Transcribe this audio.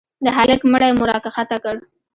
د هلك مړى مو راكښته كړ.